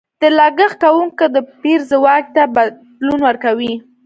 د لګښت کوونکو د پېر ځواک ته بدلون ورکوي.